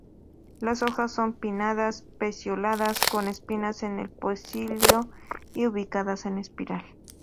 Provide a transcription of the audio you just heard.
Las hojas son pinnadas, pecioladas, con espinas en el pecíolo, y ubicadas en espiral.